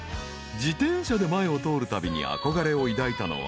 ［自転車で前を通るたびに憧れを抱いたのは］